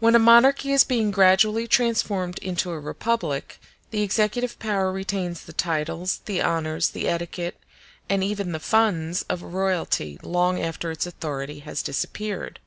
When a monarchy is being gradually transformed into a republic, the executive power retains the titles, the honors, the etiquette, and even the funds of royalty long after its authority has disappeared.